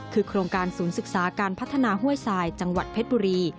คือโครงการศูนย์ศึกษาการพัฒนาห้วยทรายจังหวัดเพชรบุรี